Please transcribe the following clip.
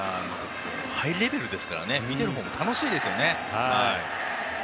ハイレベルですから見てるほうも楽しいですよね。